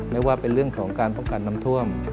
ไม่ว่าเป็นเรื่องของการป้องกันน้ำท่วม